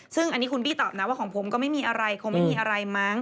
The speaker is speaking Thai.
ซึ่งอันนี้คุณบี้ตอบนะว่าของผมก็ไม่มีอะไรคงไม่มีอะไรมั้ง